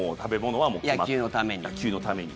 野球のために。